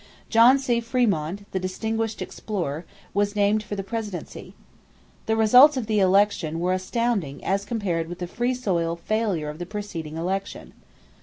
John C. Frémont, the distinguished explorer, was named for the presidency. The results of the election were astounding as compared with the Free soil failure of the preceding election.